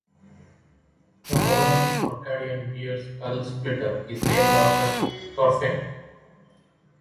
The modern Orcadian beer Skull Splitter is named after Thorfinn.